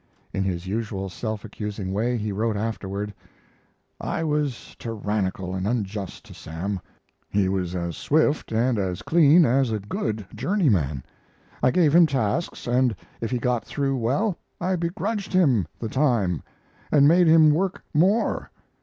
In his usual self accusing way he wrote afterward: I was tyrannical and unjust to Sam. He was as swift and as clean as a good journeyman. I gave him tasks, and if he got through well I begrudged him the time and made him work more.